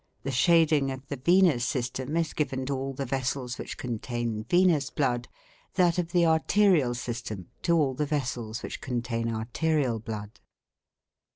The shading of the "venous system" is given to all the vessels which contain venous blood; that of the "arterial system" to all the vessels which contain arterial blood.